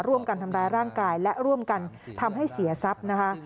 ร่วมกันทำร้ายร่างกายและร่วมกันทำให้เสียทรัพย์นะคะ